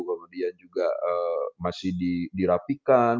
kemudian juga masih dirapikan